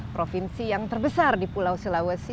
provinsi yang terbesar di pulau sulawesi